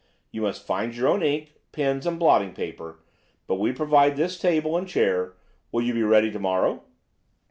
You must find your own ink, pens, and blotting paper, but we provide this table and chair. Will you be ready to morrow?